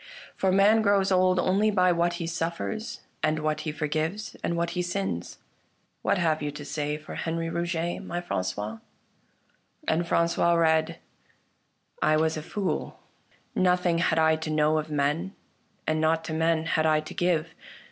For man grows old only by what he suffers, and what he forgives, and what he sins. What have you to say for Henri Rouget, my Franqois ?" And Francois read :" I was a fool ; nothing had I to know Of men, and naught to men had I to give.